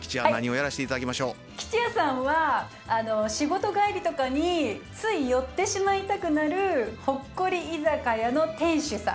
吉弥さんは仕事帰りとかについ寄ってしまいたくなるほっこり居酒屋の店主さん。